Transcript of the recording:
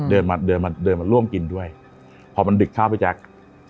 เดินมาเดินมาเดินมาร่วมกินด้วยพอมันดึกข้าวพี่แจ๊ค